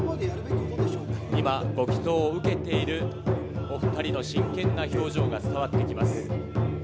今、ご祈とうを受けているお２人の真剣な表情が伝わってきます。